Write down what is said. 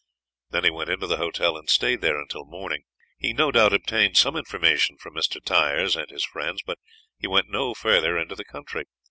Then he went into the hotel and stayed there until morning. He no doubt obtained some information from Mr. Tyers and his friends, but he went no further into the country.